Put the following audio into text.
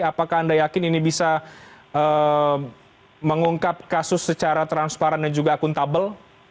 apakah anda yakin ini bisa mengungkap kasus secara transparan dan juga akuntabel